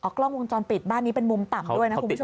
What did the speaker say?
กล้องวงจรปิดบ้านนี้เป็นมุมต่ำด้วยนะคุณผู้ชม